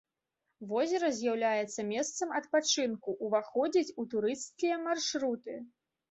Возера з'яўляецца месцам адпачынку, уваходзіць у турысцкія маршруты.